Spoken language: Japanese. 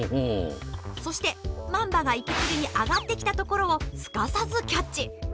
そしてマンバが息継ぎに上がってきたところをすかさずキャッチ。